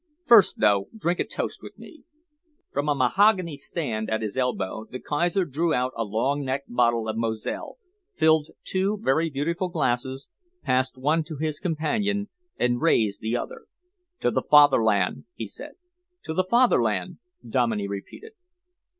First, though, drink a toast with me." From a mahogany stand at his elbow, the Kaiser drew out a long necked bottle of Moselle, filled two very beautiful glasses, passed one to his companion and raised the other. "To the Fatherland!" he said. "To the Fatherland!" Dominey repeated.